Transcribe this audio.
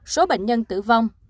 số bệnh nhân tử vong